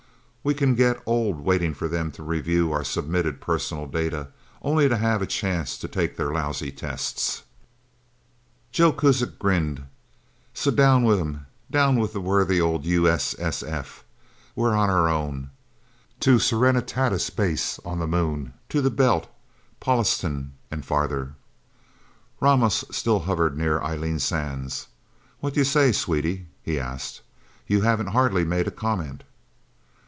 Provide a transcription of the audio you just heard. We can get old waiting for them to review our submitted personal data, only to have a chance to take their lousy tests!" Joe Kuzak grinned. "So down with 'em down with the worthy old U.S.S.F.! We're on our own to Serenitatis Base on the Moon, to the Belt, Pallastown, and farther!" Ramos still hovered near Eileen Sands. "What do you say, Sweetie?" he asked. "You haven't hardly made a comment."